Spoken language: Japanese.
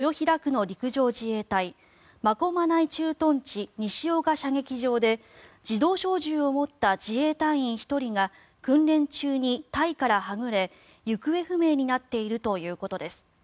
防衛省関係者によりますと昨日午後１０時ごろから札幌市豊平区の陸上自衛隊真駒内駐屯地西岡射撃場で自動小銃を持った自衛隊員１人が訓練中に隊からはぐれ行方不明になっているということです。